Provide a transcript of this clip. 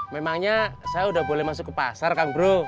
memangnya saya sudah boleh masuk ke pasar kang bro